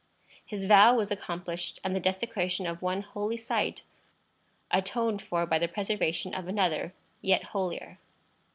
His vow was accomplished, and the desecration of one holy site atoned for by the preservation of another yet holier.